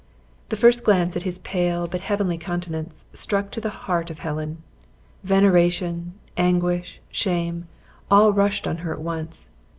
The first glance at his pale, but heavenly countenance struck to the heart of Helen; veneration, anguish, shame, all rushed on her at once.